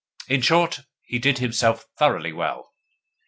In short, he did himself thoroughly well.